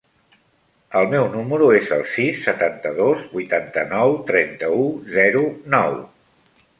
El meu número es el sis, setanta-dos, vuitanta-nou, trenta-u, zero, nou.